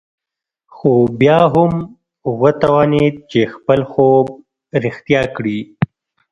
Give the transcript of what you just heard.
خو بيا هم وتوانېد چې خپل خوب رښتيا کړي.